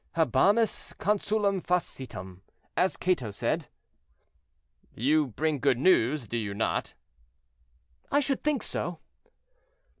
"'Habemus consulem facetum,' as Cato said." "You bring good news, do you not?" "I should think so."